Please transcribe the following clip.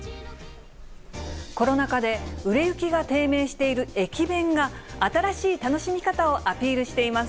コロナ禍で、売れ行きが低迷している駅弁が新しい楽しみ方をアピールしています。